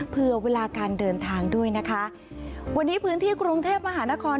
เพื่อเวลาการเดินทางด้วยนะคะวันนี้พื้นที่กรุงเทพมหานคร